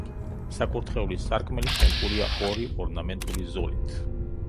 საკურთხევლის სარკმელი შემკულია ორი ორნამენტული ზოლით.